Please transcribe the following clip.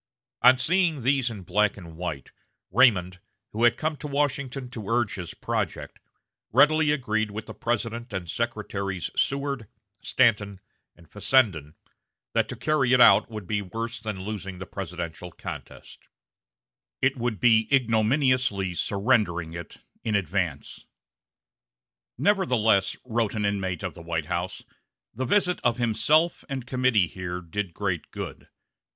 On seeing these in black and white, Raymond, who had come to Washington to urge his project, readily agreed with the President and Secretaries Seward, Stanton, and Fessenden, that to carry it out would be worse than losing the presidential contest: it would be ignominiously surrendering it in advance. "Nevertheless," wrote an inmate of the White House, "the visit of himself and committee here did great good.